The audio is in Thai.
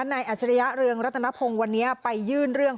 อาจริยะเรืองรัตนพงศ์วันนี้ไปยื่นเรื่อง